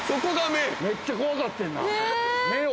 めっちゃ怖かってんな。